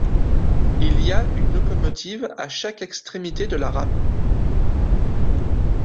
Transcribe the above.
Il y a une locomotive à chaque extrémité de la rame.